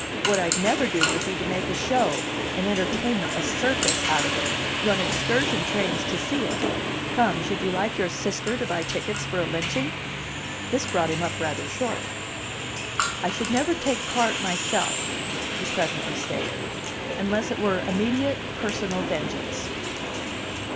What I'd never do would be to make a show, an entertainment, a circus, out of it, run excursion trains to see it come, should you like your sister to buy tickets for a lynching?" This brought him up rather short. "I should never take part myself," he presently stated, "unless it were immediate personal vengeance."